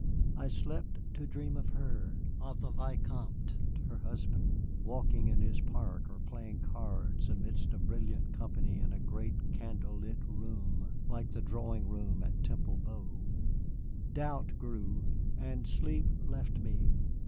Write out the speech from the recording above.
I slept to dream of her, of the Vicomte, her husband, walking in his park or playing cards amidst a brilliant company in a great candle lit room like the drawing room at Temple Bow. Doubt grew, and sleep left me.